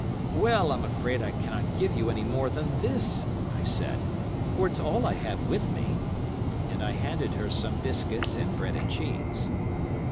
"Well, I'm afraid I cannot give you any more than this," I said, "for it's all I have with me." And I handed her some biscuits and bread and cheese.